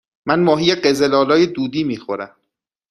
من ماهی قزل آلا دودی می خورم.